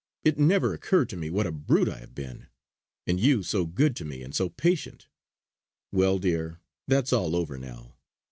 It never occurred to me what a brute I have been; and you so good to me, and so patient. Well, dear, that's all over now!